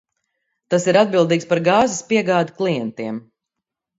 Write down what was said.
Tas ir atbildīgs par gāzes piegādi klientiem.